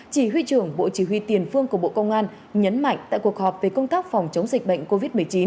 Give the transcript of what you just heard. chỉ huy trưởng bộ chỉ huy tiền phương của bộ công an nhấn mạnh tại cuộc họp về công tác phòng chống dịch bệnh covid một mươi chín